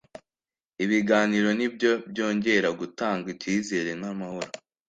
ibiganiro ni byo byongera gutanga icyizere n’amahoro